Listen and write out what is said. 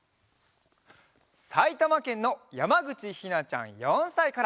さいたまけんのやまぐちひなちゃん４さいから。